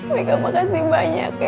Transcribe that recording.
mereka makasih banyak ya